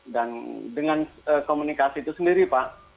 dan dengan komunikasi itu sendiri pak